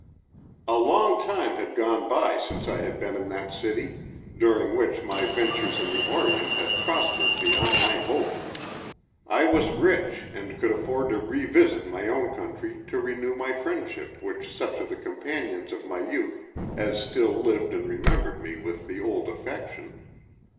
A long time had gone by since I had been in that city, during which my ventures in the Orient had prospered beyond my hope; I was rich and could afford to revisit my own country to renew my friendship with such of the companions of my youth as still lived and remembered me with the old affection.